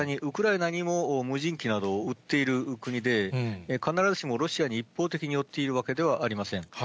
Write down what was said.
さらにウクライナにも無人機などを売っている国で、必ずしもロシアに一方的に寄っているわけではありません。